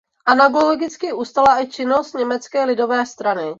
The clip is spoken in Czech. Analogicky ustala i činnost Německé lidové strany.